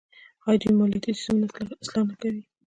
آیا دوی مالیاتي سیستم اصلاح نه کوي؟